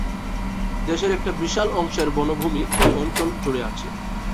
দেশের একটা বিশাল অংশের বনভূমি এই অঞ্চল জুড়ে আছে।